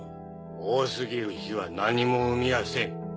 多過ぎる火は何も生みやせん。